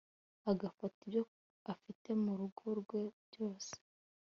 Agatanga ibyo afite mu rugo rwe byose